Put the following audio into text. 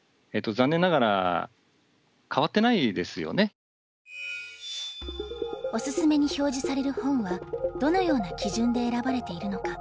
あの「おすすめ」に表示される本はどのような基準で選ばれているのか。